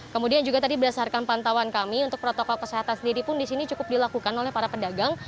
kemudian juga tadi berdasarkan pantauan kami untuk protokol kesehatan sendiri pun di sini cukup dilakukan oleh para pedagang